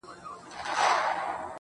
دي مــــړ ســي_